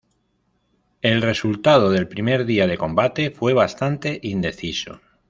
El resultado del primer día de combate fue bastante indeciso.